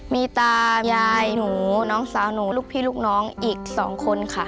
มีตายายหนูน้องสาวหนูลูกพี่ลูกน้องอีก๒คนค่ะ